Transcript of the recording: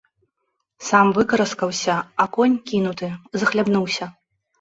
Сам выкараскаўся, а конь, кінуты, захлябнуўся.